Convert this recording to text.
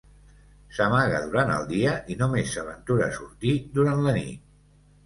S'amaga durant el dia i només s'aventura a sortir durant la nit.